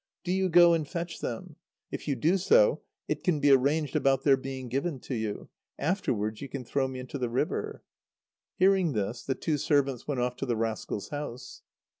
Do you go and fetch them. If you do so, it can be arranged about their being given to you. Afterwards you can throw me into the river." Hearing this, the two servants went off to the rascal's house.